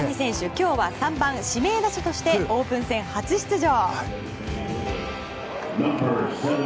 今日は３番指名打者としてオープン戦初出場。